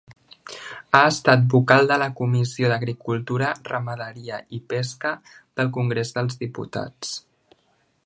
Ha estat Vocal de la Comissió d'Agricultura, Ramaderia i Pesca del Congrés dels Diputats.